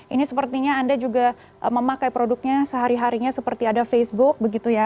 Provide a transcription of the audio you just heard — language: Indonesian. ini sepertinya anda juga memakai produknya sehari harinya seperti ada facebook begitu ya